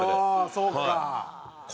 そうか。